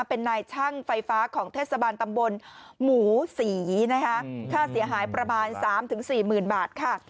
เป็นนายช่างไฟฟ้าของเทศบาลตำบลหมูศรีนะคะค่าเสียหายประมาณ๓๔๐๐๐บาทค่ะ